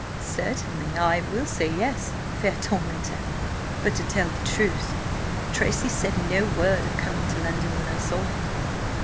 "Certainly I will say yes, fair tormentor! But, to tell the truth, Tracy said no word of coming to London when I saw him."